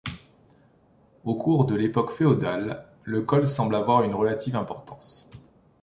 Au cours de l'époque féodale, le col semble avoir une relative importance.